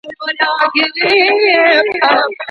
د خوارځواکۍ درملنه څنګه کیږي؟